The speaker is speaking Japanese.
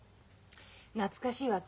懐かしいわけ？